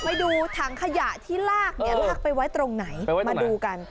ไปดูถังขยะที่ลากเนี่ยลากไปไว้ตรงไหนมาดูกัน